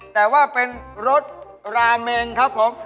แต่ว่าเป็นรสราเมงครับผม